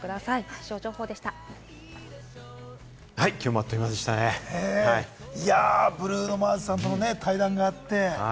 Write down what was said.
気象情報できょうもあっという間でしたブルーノ・マーズさんとの対談があって。